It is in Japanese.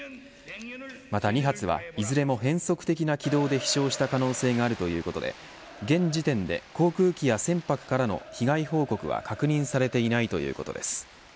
また２発は、いずれも変則的な軌道で飛翔した可能性があるということで現時点で航空機や船舶からの被害報告は確認されていないということです。